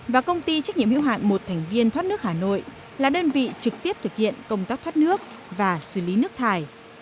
và công ty trách nhiệm hữu hạn một thành viên thoát nước hà nội là đơn vị trực tiếp thực hiện công tác thoát nước và xử lý nước thải